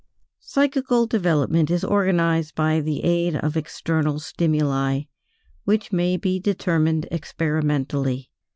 =Psychical development is organized by the aid of external stimuli, which may be determined experimentally=.